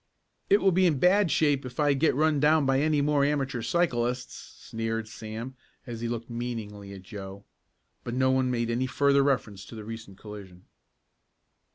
"It will be in bad shape if I get run down by any more amateur cyclists," sneered Sam as he looked meaningly at Joe, but no one made any further reference to the recent collision.